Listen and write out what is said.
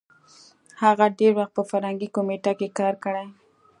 هغه ډېر وخت په فرهنګي کمېټه کې کار کړی وو.